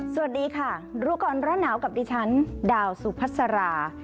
สวัสดีค่ะรู้ก่อนร้อนหนาวกับดิฉันดาวสุพัสรา